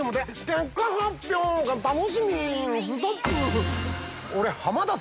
結果発表が楽しみぃストップ！